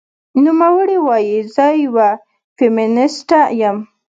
نوموړې وايي، "زه یوه فېمینیسټه یم